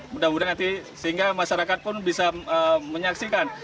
mudah mudahan nanti sehingga masyarakat pun bisa menyaksikan